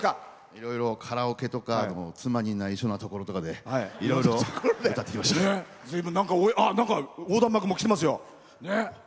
いろいろカラオケとか妻にないしょなところとかで横断幕も来てますよ。